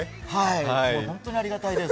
本当にありがたいです。